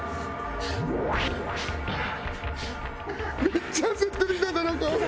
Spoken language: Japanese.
めっちゃ焦ってる稲田の顔。